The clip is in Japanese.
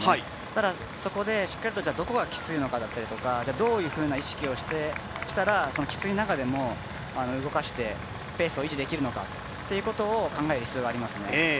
ただそこで、しっかりと、じゃあどこがきついのかだったりどういう意識をしたらきつい中でも、動かしてペースを維持できるのかということを考える必要がありますね。